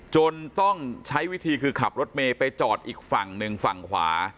จนต้องใช้วิธีคือขับรถเมย์ไปจอดอีกฝั่งหนึ่งฝั่งขวา